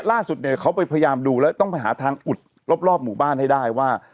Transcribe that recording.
ล่าสุดเนี่ยเขาไปพยายามดูแล้วต้องไปหาทางอุดรอบหมู่บ้านให้ได้ว่า